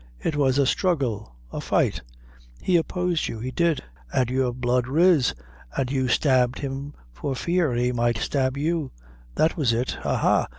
It was a struggle a fight; he opposed you he did, and your blood riz, and you stabbed him for fear he might stab you. That was it. Ha! ha!